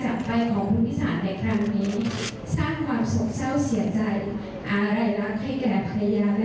สร้างความสงเจ้าเสียใจอารัยรักให้แก่ภรรยาและบุธิธรรม